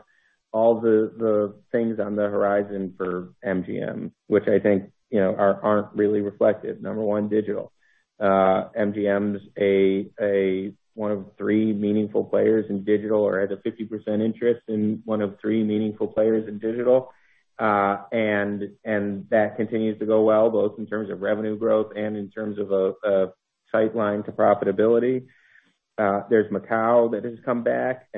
all the things on the horizon for MGM, which I think, you know, aren't really reflective. Number one, digital. MGM's a one of three meaningful players in digital or has a 50% interest in one of three meaningful players in digital. That continues to go well, both in terms of revenue growth and in terms of a sight line to profitability. There's Macau that has come back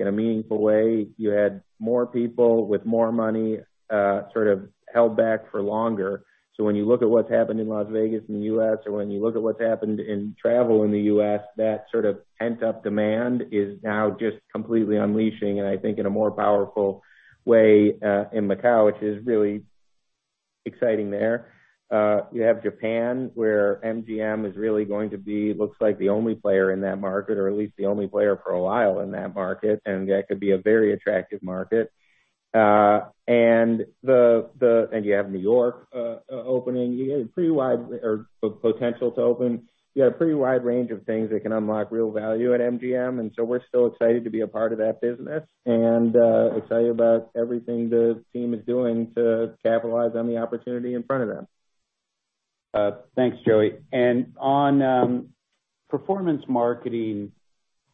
in a meaningful way. You had more people with more money, sort of held back for longer. When you look at what's happened in Las Vegas in the U.S., or when you look at what's happened in travel in the U.S., that sort of pent-up demand is now just completely unleashing, and I think in a more powerful way, in Macau, which is really exciting there. You have Japan, where MGM is really going to be looks like the only player in that market, or at least the only player for a while in that market, and that could be a very attractive market. You have New York opening. You have a pretty wide or potential to open. You have a pretty wide range of things that can unlock real value at MGM. We're still excited to be a part of that business and excited about everything the team is doing to capitalize on the opportunity in front of them. Thanks, Joey. On performance marketing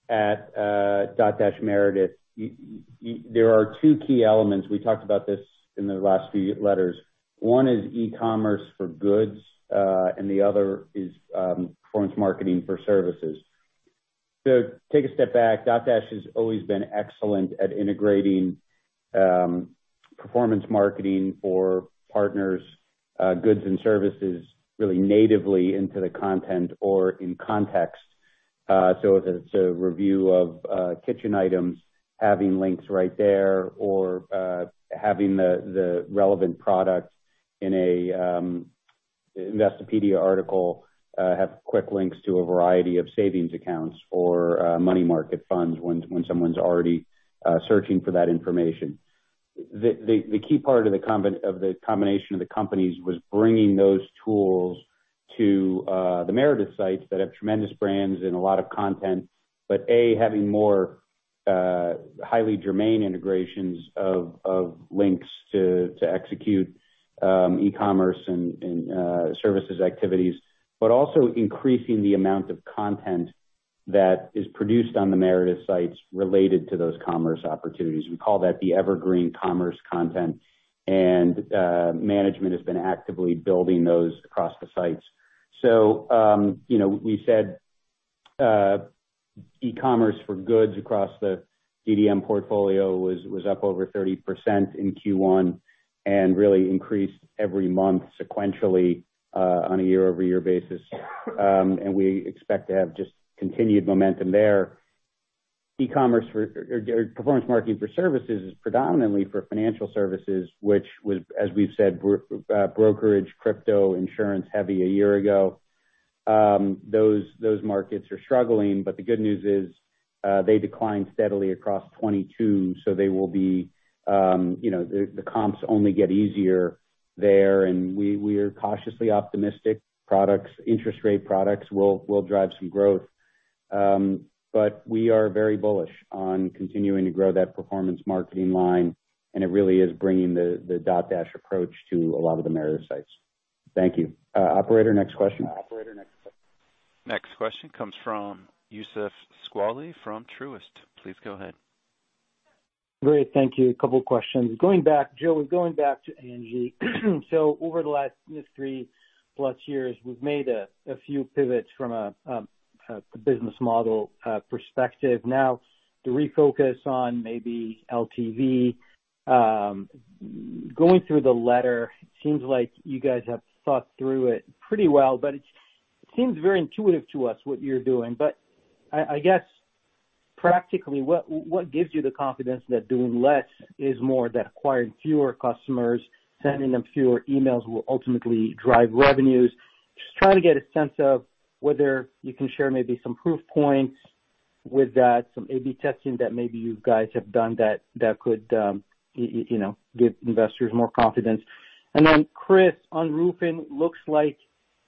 at Dotdash Meredith, there are two key elements. We talked about this in the last few letters. One is e-commerce for goods, and the other is performance marketing for services. To take a step back, Dotdash has always been excellent at integrating performance marketing for partners, goods and services really natively into the content or in context. So if it's a review of kitchen items, having links right there or having the relevant product in an Investopedia article, have quick links to a variety of savings accounts or money market funds when someone's already searching for that information. The key part of the combination of the companies was bringing those tools to the Meredith sites that have tremendous brands and a lot of content. A, having more highly germane integrations of links to execute e-commerce and services activities, but also increasing the amount of content that is produced on the Meredith sites related to those commerce opportunities. We call that the evergreen commerce content, and management has been actively building those across the sites. You know, we said e-commerce for goods across the DDM portfolio was up over 30% in Q1 and really increased every month sequentially on a year-over-year basis. We expect to have just continued momentum there. E-commerce for or performance marketing for services is predominantly for financial services, which was, as we've said, brokerage, crypto, insurance-heavy a year ago. Those markets are struggling. The good news is, they declined steadily across 2022, they will be, you know, the comps only get easier there. We are cautiously optimistic products, interest rate products will drive some growth. We are very bullish on continuing to grow that performance marketing line, and it really is bringing the Dotdash approach to a lot of the Meredith sites. Thank you. Operator, next question. Operator, next question. Next question comes from Youssef Squali from Truist. Please go ahead. Great. Thank you. A couple questions. Going back, Joe, going back to Angi. Over the last, you know, three+ years, we've made a few pivots from a business model perspective. Now to refocus on maybe LTV, going through the letter, it seems like you guys have thought through it pretty well, but it seems very intuitive to us what you're doing. I guess practically, what gives you the confidence that doing less is more, that acquiring fewer customers, sending them fewer emails will ultimately drive revenues? Just trying to get a sense of whether you can share maybe some proof points with that, some A/B testing that maybe you guys have done that could, you know, give investors more confidence. Then Chris, on roofing, looks like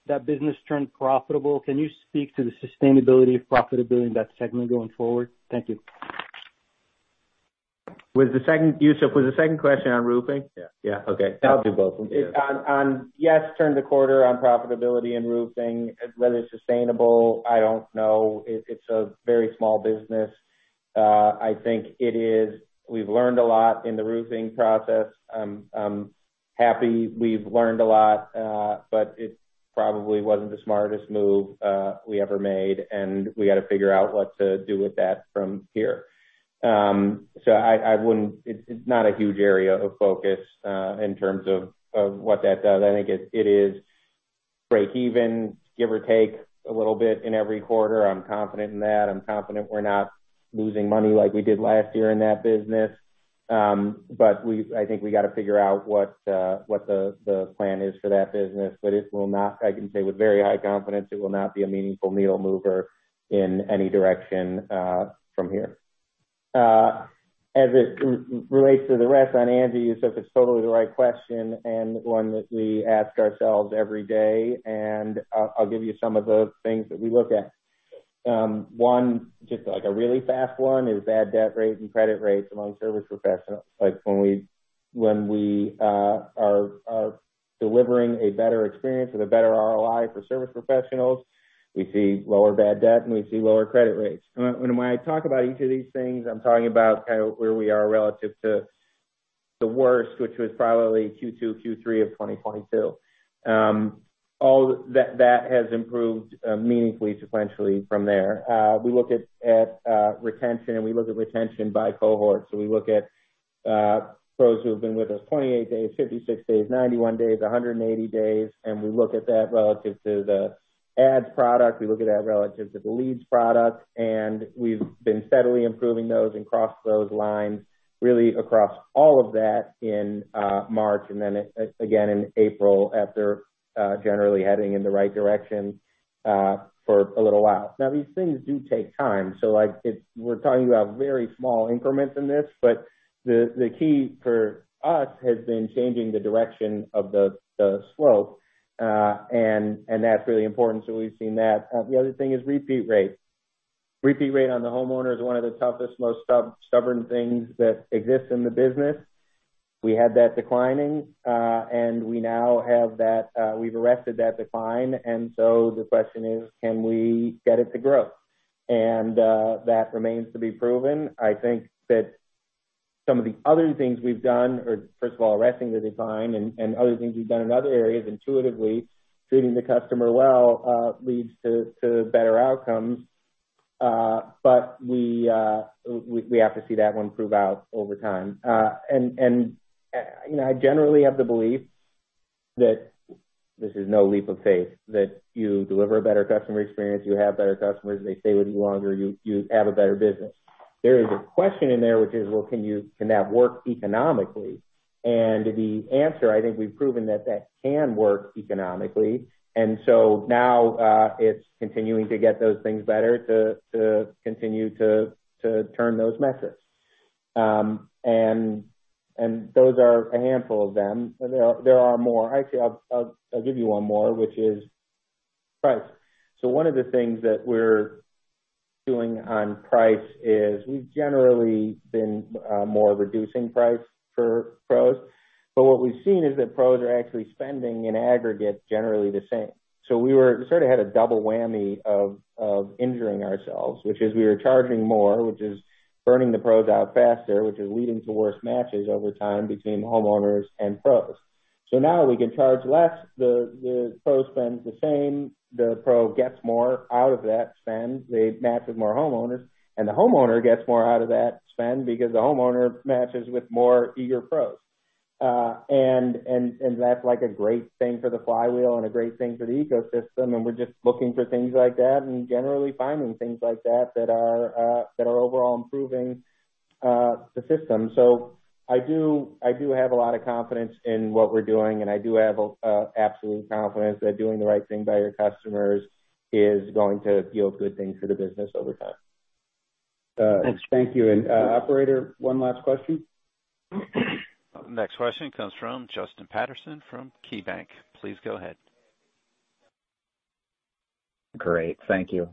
that business turned profitable. Can you speak to the sustainability of profitability in that segment going forward? Thank you. Was the second... Youssef, was the second question on roofing? Yeah. Yeah. Okay. I'll do both. On, yes, turned the corner on profitability and roofing. Whether it's sustainable, I don't know. It's a very small business. I think it is. We've learned a lot in the roofing process. I'm happy we've learned a lot, but it probably wasn't the smartest move we ever made, and we gotta figure out what to do with that from here. It's not a huge area of focus in terms of what that does. I think it is breakeven, give or take a little bit in every quarter. I'm confident in that. I'm confident we're not losing money like we did last year in that business. I think we gotta figure out what the plan is for that business. It will not, I can say with very high confidence, it will not be a meaningful needle mover in any direction from here. As it relates to the rest on Angi, you said it's totally the right question and one that we ask ourselves every day. I'll give you some of the things that we look at. One, just like a really fast one, is bad debt rates and credit rates among service professionals. When we are delivering a better experience with a better ROI for service professionals, we see lower bad debt, and we see lower credit rates. When I talk about each of these things, I'm talking about kind of where we are relative to the worst, which was probably Q2, Q3 of 2022. All that has improved meaningfully sequentially from there. We look at retention, and we look at retention by cohort. We look at pros who have been with us 28 days, 56 days, 91 days, 180 days, and we look at that relative to the ads product. We look at that relative to the leads product, and we've been steadily improving those and crossed those lines really across all of that in March, and then again in April after generally heading in the right direction for a little while. Now, these things do take time, so like we're talking about very small increments in this, but the key for us has been changing the direction of the slope. That's really important, so we've seen that. The other thing is repeat rate. Repeat rate on the homeowner is one of the toughest, most stubborn things that exists in the business. We had that declining, and we now have that, we've arrested that decline. The question is, can we get it to grow? That remains to be proven. I think that some of the other things we've done are, first of all, arresting the decline and other things we've done in other areas, intuitively treating the customer well, leads to better outcomes. We have to see that one prove out over time. You know, I generally have the belief that this is no leap of faith that you deliver a better customer experience, you have better customers, they stay with you longer, you have a better business. There is a question in there which is, well, can that work economically? The answer, I think we've proven that that can work economically. Now, it's continuing to get those things better to continue to turn those methods. And, and those are a handful of them. There are, there are more. Actually, I'll give you one more, which is price. One of the things that we're doing on price is we've generally been more reducing price for pros. What we've seen is that pros are actually spending in aggregate generally the same. We sort of had a double whammy of injuring ourselves, which is we were charging more, which is burning the pros out faster, which is leading to worse matches over time between homeowners and pros. Now we can charge less. The pro spends the same. The pro gets more out of that spend. They match with more homeowners, and the homeowner gets more out of that spend because the homeowner matches with more eager pros. That's like a great thing for the flywheel and a great thing for the ecosystem, and we're just looking for things like that and generally finding things like that that are overall improving the system. I do have a lot of confidence in what we're doing, and I do have absolute confidence that doing the right thing by your customers is going to yield good things for the business over time. Thanks. Thank you. operator, one last question. Next question comes from Justin Patterson from KeyBanc. Please go ahead. Great. Thank you.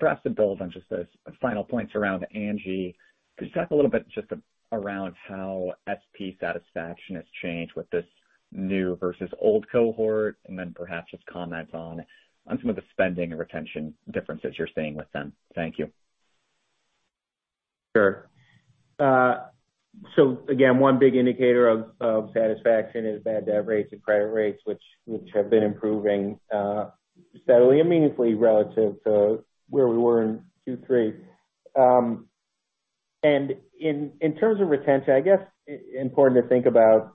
Perhaps to build on just those final points around Angi, could you talk a little bit just around how SP satisfaction has changed with this new versus old cohort? And then perhaps just comment on some of the spending and retention differences you're seeing with them. Thank you. Sure. Again, one big indicator of satisfaction is bad debt rates and credit rates, which have been improving steadily and meaningfully relative to where we were in Q3. In terms of retention, I guess important to think about,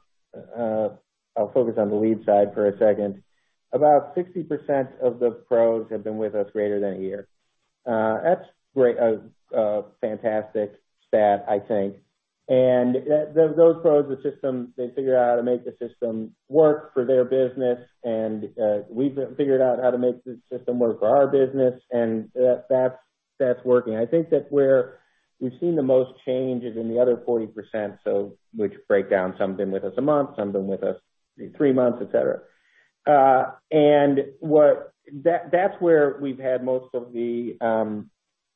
I'll focus on the lead side for a second. About 60% of the pros have been with us greater than a year. That's great. A fantastic stat, I think. Those pros, the system, they figure out how to make the system work for their business, and we've figured out how to make the system work for our business, and that's working. I think that where we've seen the most change is in the other 40%, so which break down some have been with us a month, some have been with us three months, et cetera.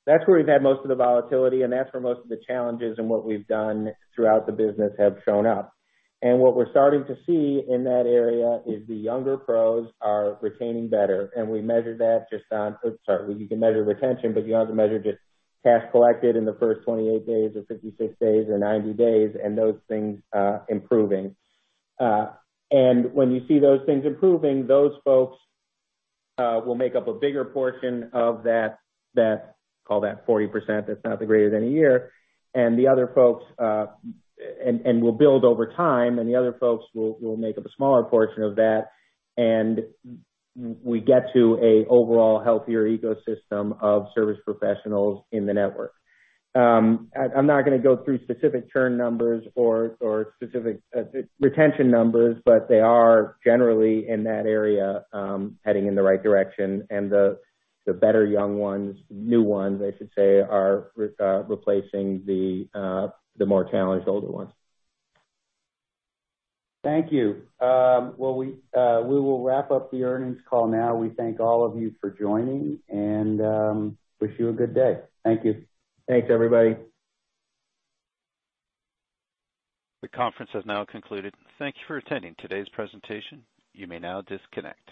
that's where we've had most of the volatility, and that's where most of the challenges in what we've done throughout the business have shown up. What we're starting to see in that area is the younger pros are retaining better, and we measure that just on. Sorry. Well, you can measure retention, but you have to measure just cash collected in the first 28 days or 56 days or 90 days and those things improving. When you see those things improving, those folks will make up a bigger portion of that, call that 40%, that's not the greater than a year, and the other folks and will build over time, and the other folks will make up a smaller portion of that. We get to a overall healthier ecosystem of service professionals in the network. I'm not gonna go through specific churn numbers or specific retention numbers, but they are generally in that area, heading in the right direction. The better young ones, new ones, I should say, are replacing the more challenged older ones. Thank you. Well, we will wrap up the earnings call now. We thank all of you for joining, and wish you a good day. Thank you. Thanks, everybody. The conference has now concluded. Thank You for attending today's presentation. You may now disconnect.